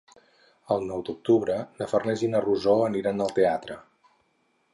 El nou d'octubre na Farners i na Rosó aniran al teatre.